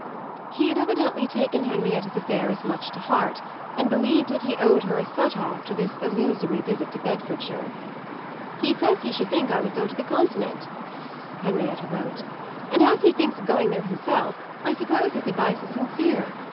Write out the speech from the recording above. He had evidently taken Henrietta's affairs much to heart, and believed that he owed her a set off to this illusory visit to Bedfordshire. "He says he should think I would go to the Continent," Henrietta wrote; "and as he thinks of going there himself I suppose his advice is sincere.